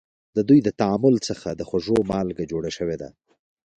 د دوی د تعامل څخه د خوړو مالګه جوړه شوې ده.